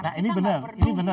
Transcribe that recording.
nah ini benar